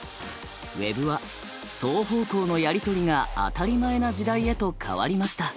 Ｗｅｂは双方向のやり取りが当たり前な時代へと変わりました。